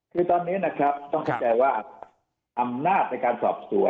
คือตอนนี้นะครับต้องเข้าใจว่า